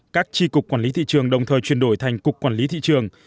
các tri cục quản lý tỷ trường đồng thời chuyển đổi thành cục quản lý tỷ trường